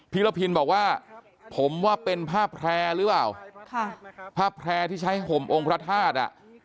พิรพินบอกว่าผมว่าเป็นภาพแพร่หรือเปล่าภาพแพร่ที่ใช้ห่มองค์พระธาตุ